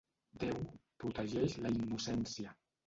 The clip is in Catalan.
Déu protegeix la innocència.